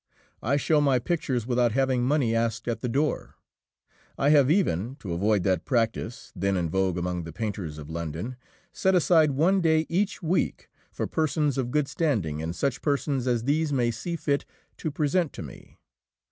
I show my pictures without having money asked at the door. I have even, to avoid that practise" [then in vogue among the painters of London], "set aside one day each week for persons of good standing and such persons as these may see fit to present to me.